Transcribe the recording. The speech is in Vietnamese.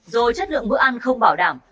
rồi chất lượng bữa ăn không bảo đảm